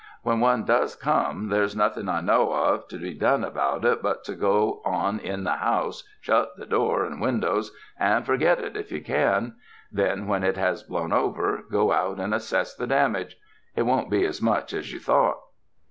AVhen one does come, there's nothing I know of to be done about it but to go in the house, shut the door and windows, and forget it if you can. Then when it has blown over, go out and assess the damage. It won't be as much as you thought."